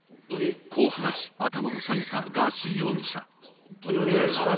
こう話し、頭を下げたガーシー容疑者。